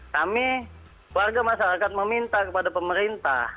kami warga masyarakat meminta kepada pemerintah